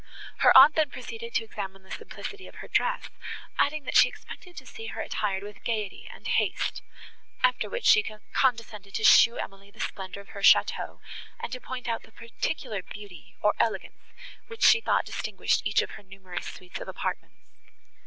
Her aunt then proceeded to examine the simplicity of her dress, adding, that she expected to see her attired with gaiety and taste; after which she condescended to show Emily the splendour of her château, and to point out the particular beauty, or elegance, which she thought distinguished each of her numerous suites of apartments.